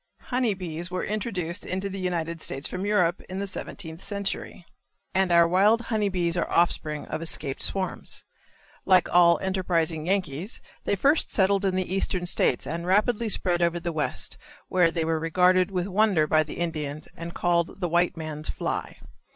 Honey bees were introduced into the United States from Europe, in the seventeenth century, and our wild honey bees are offspring of escaped swarms. Like all enterprising Yankees they first settled in the eastern states and rapidly spread over the West, where they were regarded with wonder by the Indians and called the "white man's fly."